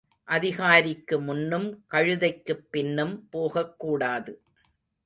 அதிகாரிக்கு முன்னும் கழுதைக்குப் பின்னும் போகக்கூடாது.